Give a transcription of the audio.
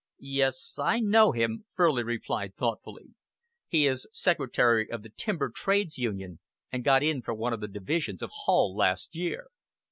"Yes, I know him," Furley replied thoughtfully. "He is secretary of the Timber Trades Union and got in for one of the divisions of Hull last year."